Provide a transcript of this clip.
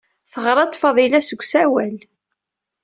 Teɣra-d Faḍila deg usawal.